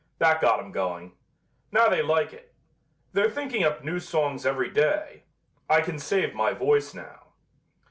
That got 'em going. Now they like it. They're thinking up new songs every day. I can save my voice now."